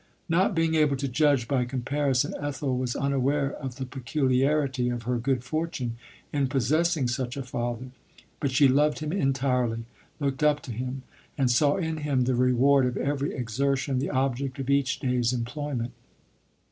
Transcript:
Not being able to judge by comparison, Ethel was unaware of the peculiarity of her good fortune in possessing such a father, lint sh loved him entirely ; looked up to him, and saw in him the reward of every exertion, the object of each day^ employment.